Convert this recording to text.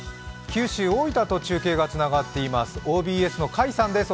九州・大分と中継がつながっています、ＯＢＳ、甲斐さんです。